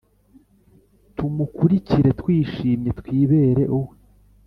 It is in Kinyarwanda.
Tumukurikire twishimye, twibere uwe